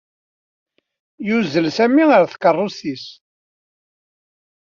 Yuzzel Sami ɣer tkeṛṛust-nnes.